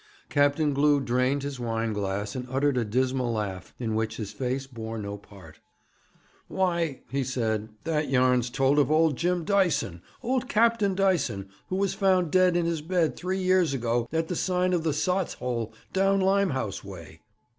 Captain Glew drained his wine glass, and uttered a dismal laugh, in which his face bore no part. 'Why,' said he, 'that yarn's told of old Jim Dyson, old Captain Dyson, who was found dead in his bed three years ago at the sign of the Sot's Hole, down Limehouse way.'